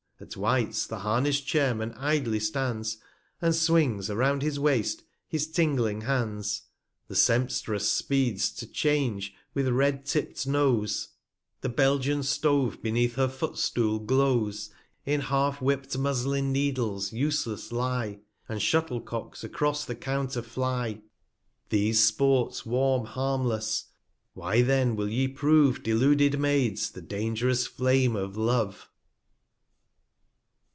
At Wbite\ the harness'd Chairman idly stands, And swings, around his Waste, his tingling Hands: The Sempstress speeds to 'Change with red tipt Nose; 215 MORNING SCENE AT COVENT GARDEN HOGARTH TRIVIA 23 The Belgian Stove beneath her Footstool glows, In half whipt Muslin Needles useless lye. And Shuttle cocks across the Counter fly. These Sports warm harmless; why then will ye prove. Deluded Maids, the dang'rous Flame of Love